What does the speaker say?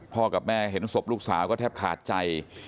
กับแม่เห็นศพลูกสาวก็แทบขาดใจ